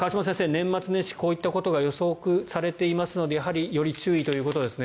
年末年始こういったことが予測されていますのでやはりより注意ということですね。